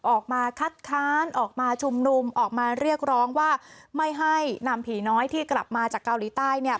ออกมาคัดค้านออกมาชุมนุมออกมาเรียกร้องว่าไม่ให้นำผีน้อยที่กลับมาจากเกาหลีใต้เนี่ย